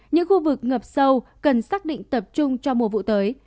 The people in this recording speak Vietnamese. những khu vực ngập sâu cần xác định tập trung cho mùa vụ tới